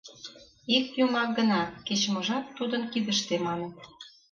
Ик Юмак гына, кеч-можат тудын кидыште, маныт.